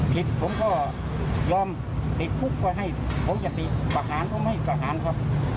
ผิดผมก็ยอมติดพุกไว้ให้ผมจะติดปากหาญผมให้ปากหาญครับ